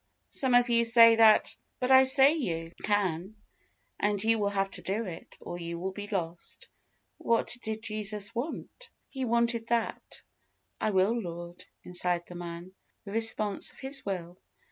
Some of you say that; but I say you can, and you will have to do it, or you will be lost. What did Jesus want? He wanted that, "I will, Lord," inside the man the response of his will.